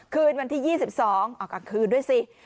คืนวันที่๒๒ขึ้นด้วยสิ